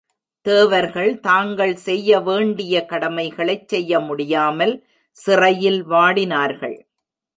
தேவர்கள் தாங்கள் செய்ய வேண்டிய கடமைகளைச் செய்ய முடியாமல் சிறையில் வாடினார்கள்.